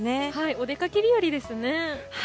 お出かけ日和ですね。